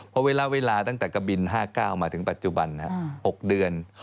เพราะเวลาตั้งแต่กะบิน๕๙มาถึงปัจจุบัน๖เดือน